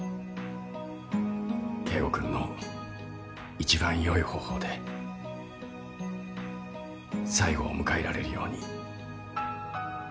圭吾君の一番良い方法で最後を迎えられるように。